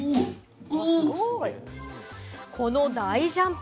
この大ジャンプ。